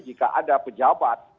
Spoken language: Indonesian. jika ada pejabat